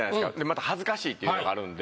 また恥ずかしいっていうのがあるんで。